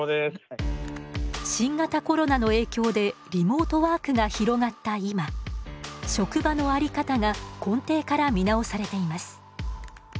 新型コロナの影響でリモートワークが広がった今職場のあり方が根底から見直されています。